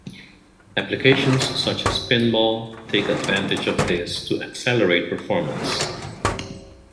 Applications such as Pinball take advantage of this to accelerate performance.